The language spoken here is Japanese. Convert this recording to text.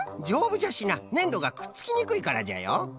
じょうぶじゃしなねんどがくっつきにくいからじゃよ。